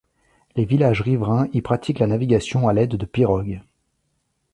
Les villages riverrains y pratiquent la navigation à l'aide de pirogues.